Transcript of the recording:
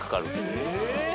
え！